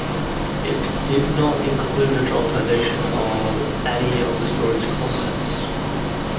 It did not include a dramatization of any of the story's concepts.